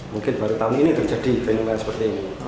mungkin baru tahun ini terjadi fenomena seperti ini